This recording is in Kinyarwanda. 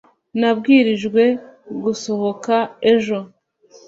nabwirijwe gusohoka ejo